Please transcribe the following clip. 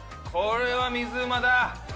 これは水うまだ！